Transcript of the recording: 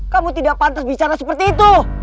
kamu tidak pantas bicara seperti itu